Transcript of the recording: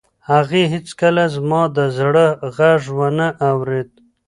هغې هیڅکله زما د زړه غږ و نه اورېد.